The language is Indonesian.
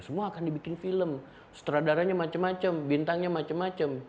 semua akan dibikin film setelah darahnya macem macem bintangnya macem macem